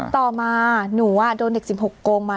ต่อมาหนูโดนเด็ก๑๖โกงมา